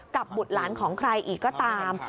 บุตรหลานของใครอีกก็ตาม